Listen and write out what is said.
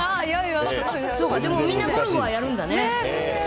でもみんなゴルフはやるんだね。